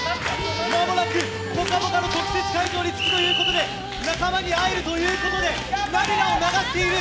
まもなく「ぽかぽか」の特設会場に着くということで仲間に会えるということで涙を流している！